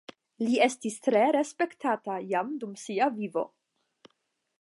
Li estis tre respektata jam dum sia vivo.